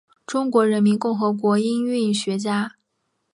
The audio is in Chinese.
中华人民共和国音韵学家。